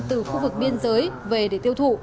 từ khu vực biên giới về để tiêu thụ